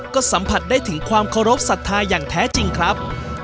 ก็สัมผัสได้ถึงความเคารพสัทธาอย่างแท้จริงครับ